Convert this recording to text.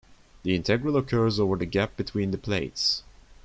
The integral occurs over the gap between the plates.